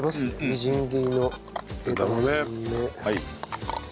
みじん切りの枝豆。